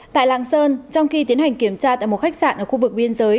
tại lạng sơn trong khi tiến hành kiểm tra tại một khách sạn ở khu vực biên giới